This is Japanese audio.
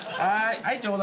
はい。